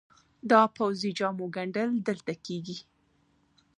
د پوځي جامو ګنډل دلته کیږي؟